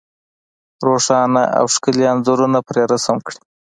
روښانه او ښکلي انځورونه پرې رسم کړي.